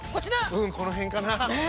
うんこの辺かな。